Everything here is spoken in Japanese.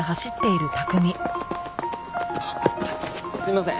すいません。